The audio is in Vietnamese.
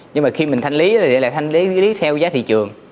nhưng mà khi mình thanh lý thì là thanh lý theo giá thị trường